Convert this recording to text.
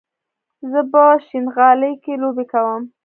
زه په شينغالي کې لوبې کوم